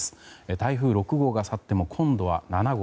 台風６号が去っても今度は７号。